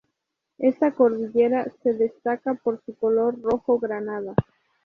Esta cordillera se destaca por su color rojo-granada.